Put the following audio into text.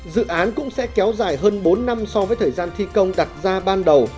dự án cũng sẽ kéo dài hơn bốn năm so với thời gian thi công đặt ra ban đầu